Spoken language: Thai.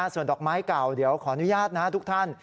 ส่วนดอกไม้เก่าเดี๋ยวขออนุญาตนะทุกท่าน